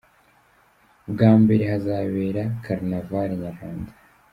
Bwa mbere hazabera karinavale Nyarwanda